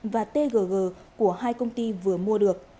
và tgg của hai công ty vừa mua được